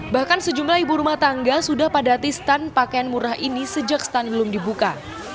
bahkan sejumlah ibu rumah tangga sudah padati stand pakaian murah ini sejak stand belum dibuka